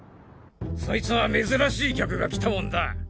そいつぁ珍しい客が来たもんだ！